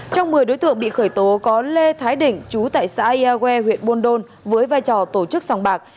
trong một mươi đối tượng bị khởi tố có lê thái định chú tại xã iae huyện buôn đôn với vai trò tổ chức sòng bạc